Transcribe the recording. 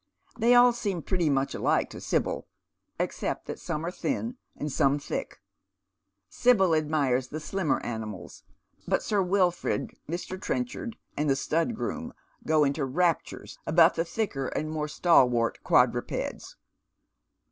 They all seem pretty much alike to Sibyl, except that some are thin and some thick. Sibyl admires the slimmer animals, but Sir Wilford, Mr. Tren chard, and the stud groom go into raptures about the thicker and more stalwaH quadrupeds.